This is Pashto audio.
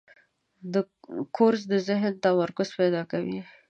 کورس د ذهن تمرکز پیدا کوي.